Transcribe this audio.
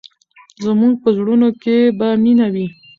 زموږ په زړونو کې به مینه وي.